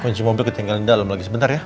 kunci mobil ketinggalin dalam lagi sebentar ya